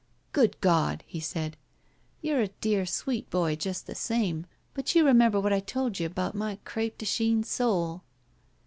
"Good God!" he said. "You're a dear, sweet boy just the same; but you remember what I told you about my cr6pe de Chine soul."